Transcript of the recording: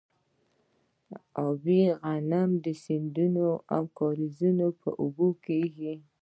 ابي غنم د سیندونو او کاریزونو په اوبو کیږي.